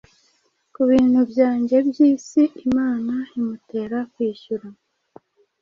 Kubintu byanjye byisi Imana imutera kwishyura,